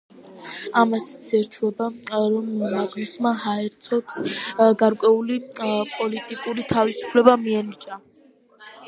ამას ისიც ერთვოდა, რომ მაგნუსმა ჰერცოგს გარკვეული პოლიტიკური თავისუფლება მიანიჭა.